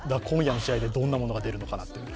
今夜の試合で、どんなものが出るのかなと。